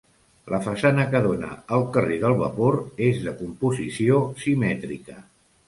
La façana que dóna al carrer del Vapor, és de composició simètrica.